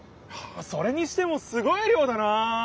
それにしてもすごい量だな！